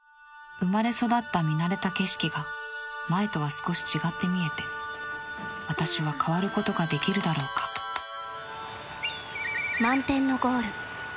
生まれ育った見慣れた景色が前とは少し違って見えて私は変わることができるだろうか「満天のゴール」。